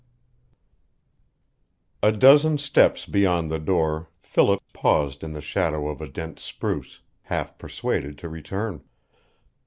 V A dozen steps beyond the door Philip paused in the shadow of a dense spruce, half persuaded to return.